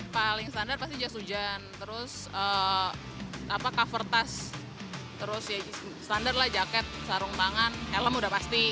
paling standar pasti jas hujan terus cover tas terus ya standar lah jaket sarung tangan helm udah pasti